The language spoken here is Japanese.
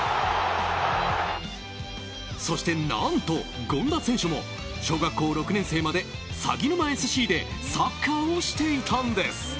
そして何と、権田選手も小学校６年生までさぎぬまＳＣでサッカーをしていたんです。